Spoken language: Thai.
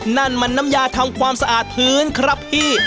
นั่นมันน้ำยาทำความสะอาดพื้นครับพี่